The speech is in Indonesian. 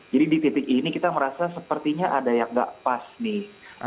jadi di titik ini kita merasa sepertinya ada yang nggak pas nih